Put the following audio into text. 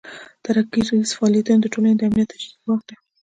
ترهګریز فعالیتونه د ټولنې امنیت ته جدي ګواښ دی.